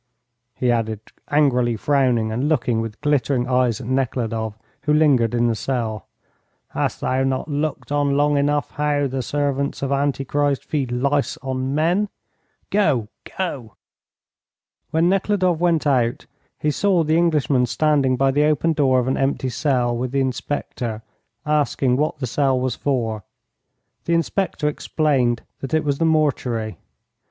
he added, angrily frowning and looking with glittering eyes at Nekhludoff, who lingered in the cell. "Hast thou not looked on long enough how the servants of Antichrist feed lice on men? Go, go!" When Nekhludoff went out he saw the Englishman standing by the open door of an empty cell with the inspector, asking what the cell was for. The inspector explained that it was the mortuary.